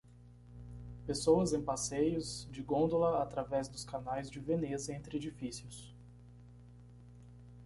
Pessoas em passeios de gôndola através dos canais de Veneza entre edifícios.